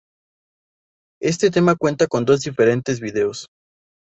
Este tema cuenta con dos diferentes videos.